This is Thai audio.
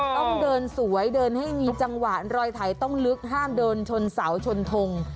ต้องเดินสวยเดินให้มีจังหวะรอยไถต้องลึกห้ามเดินชนเสาชนทง